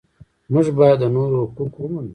موږ باید د نورو حقوق ومنو.